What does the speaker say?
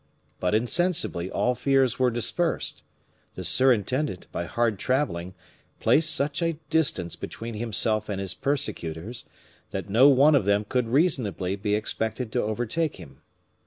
But insensibly all fears were dispersed; the surintendant, by hard traveling, placed such a distance between himself and his persecutors, that no one of them could reasonably be expected to overtake him.